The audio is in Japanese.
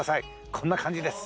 こんな感じです。